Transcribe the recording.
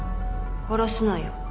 殺すのよ」